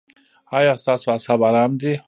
ایا ستاسو اعصاب ارام دي؟